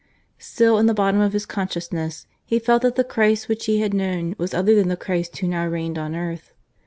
Still in the bottom of his consciousness he felt that the Christ which he had known was other than the Christ who now reigned on earth.